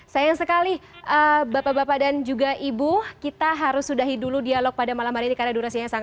sayang sekali bapak bapak dan juga ibu kita harus sudahi dulu dialog pada malam hari ini karena durasinya sangat